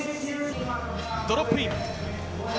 ドロップイン。